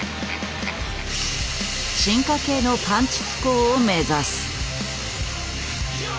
進化系のパンチ機構を目指す。